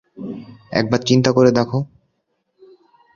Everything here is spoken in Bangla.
একবার চিন্তা করে দেখ।